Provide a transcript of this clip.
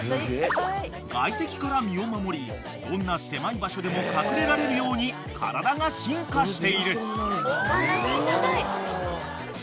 ［外敵から身を守りどんな狭い場所でも隠れられるように体が進化している］